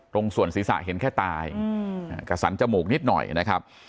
ตรงส่วนศีรษะเห็นแค่ตายกระสันจมูกนิดหน่อยนะครับ